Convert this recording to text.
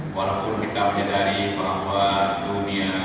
walaupun kita menyadari bahwa dunia